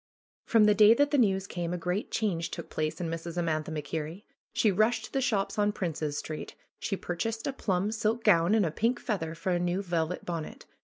From the day that the news came a great change took place in Mrs. Amantha MacKerrie. She rushed to the shops on Princes Street. She purchased a plum silk gown and a pink feather for a new velvet bonnet.